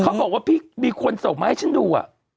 เขาบอกว่าพี่มีคนส่งมาให้ฉันดู